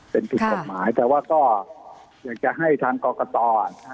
เป็นผิดกฎหมายแต่ว่าก็อยากจะให้ทางกรกต